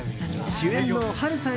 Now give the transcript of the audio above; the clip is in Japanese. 主演の波瑠さん